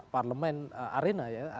parlemen arena ya